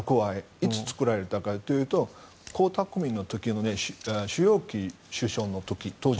いつ作られたかというと江沢民の時代の朱鎔基首相の時。